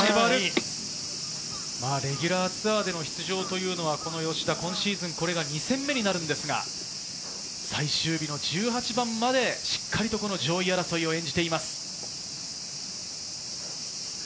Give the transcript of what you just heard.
レギュラーツアーでの出場は吉田、今シーズン、これが２戦目になるんですが、最終日の１８番まで、しっかりと上位争いを演じています。